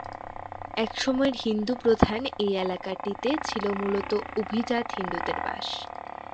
এক সময়ের হিন্দু প্রধান এ এলাকাটিতে ছিল মুলত অভিজাত হিন্দুদের বাস।